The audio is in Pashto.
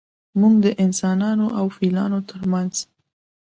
موږ د انسانانو او فیلانو ترمنځ